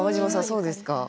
そうですか？